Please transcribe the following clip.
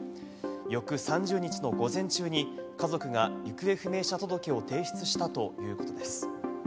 翌３０日の午前中に家族が行方不明者届を提出したということです。